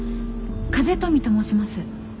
風富と申します。